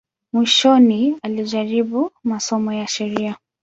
Mwishoni alijaribu masomo ya sheria.